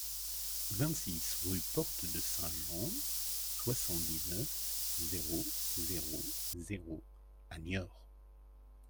vingt-six rue Porte de Saint-Jean, soixante-dix-neuf, zéro zéro zéro à Niort